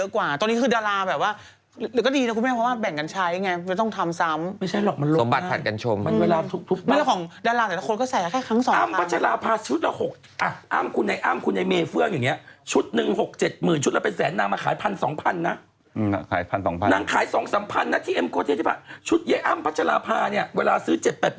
กับคนแต่งเพลงถูกต้องไหม๗๐๓๐หรือ